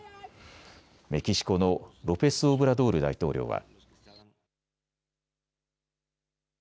メキシコのロペスオブラドール大統領は。